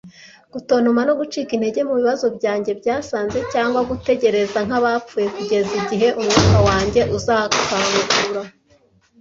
Gutontoma no gucika intege mubibazo byanjye byasaze, cyangwa gutegereza nkabapfuye kugeza igihe umwuka wanjye uzankangura,